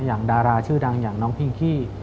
อย่างดาราชื่อดังอย่างน้องพิงคี่